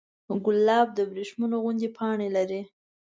ګلاب د وریښمو غوندې پاڼې لري.